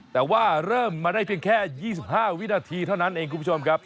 แต่ว่าเริ่มมาได้เพียงแค่๒๕วินาทีเท่านั้นเองคุณผู้ชมครับ